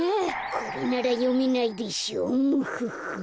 これならよめないでしょムフフ。